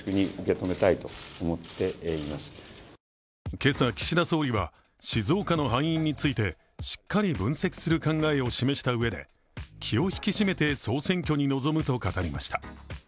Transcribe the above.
今朝、岸田総理は静岡の敗因についてしっかり分析する考えを示したうえで気を引き締めて総選挙に臨むと語りました。